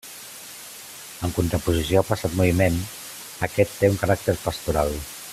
En contraposició al passat moviment, aquest té un caràcter pastoral.